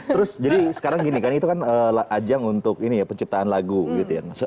terus jadi sekarang gini kan itu kan ajang untuk ini ya penciptaan lagu gitu ya